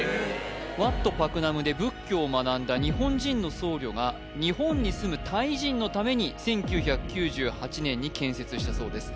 ワット・パクナムで仏教を学んだ日本人の僧侶が日本に住むタイ人のために１９９８年に建設したそうです